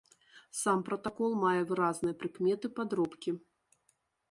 Сам пратакол мае выразныя прыкметы падробкі.